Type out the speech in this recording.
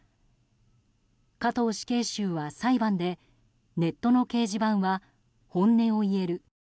加藤死刑囚は裁判でネットの掲示板は本音を言える。